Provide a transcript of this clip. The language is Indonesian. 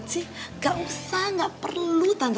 tante juga yang bayar kali ya tante